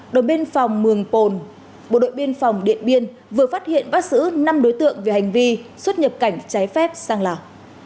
đội biên phòng mường pồn bộ đội biên phòng điện biên vừa phát hiện bắt giữ năm đối tượng về hành vi xuất nhập cảnh trái phép sang lào